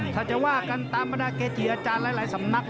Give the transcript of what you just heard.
ถ้าจะว่ากันตามประดาษเกษตรีอาจารย์หลายสำมัคร